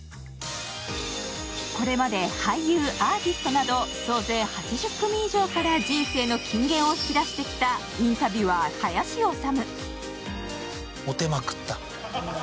これまで俳優、アーティストなど総勢８０組以上から人生の金言を引き出してきた「インタビュアー林修」。